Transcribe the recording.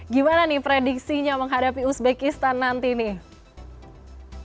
gimana nih prediksinya menghadapi uzbekistan nanti nih